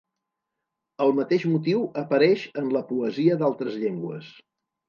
El mateix motiu apareix en la poesia d'altres llengües.